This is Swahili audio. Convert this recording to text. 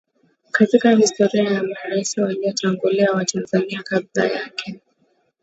katika historia ya maraisi waliotangulia wa Tanzania kabla yake